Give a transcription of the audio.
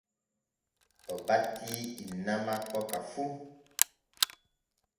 O batii inna makko ka fu.